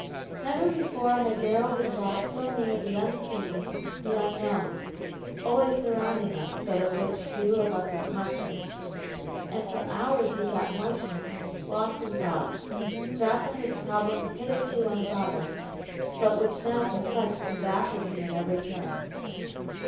Never before had Darrell been brought so near the unseen, the unknown, always surrounding us, but of which few of us are conscious, and for hours he sat motionless, lost in thought, grappling with problems hitherto unthought of, but which now perplexed and baffled him at every turn.